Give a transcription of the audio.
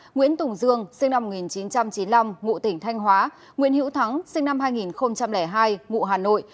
nguyễn tùng dương sinh năm một nghìn chín trăm chín mươi năm ngụ tỉnh thanh hóa nguyễn hữu thắng sinh năm hai nghìn hai ngụ hà nội